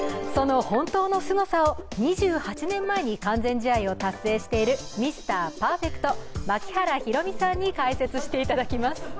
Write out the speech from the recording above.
その本当のすごさを２８年前に完全試合を達成しているミスターパーフェクト、槙原寛己さんに解説していただきます。